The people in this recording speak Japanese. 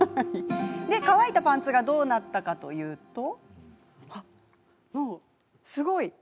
で、乾いたパンツがどうなったかというと。